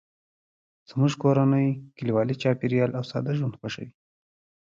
زموږ کورنۍ کلیوالي چاپیریال او ساده ژوند خوښوي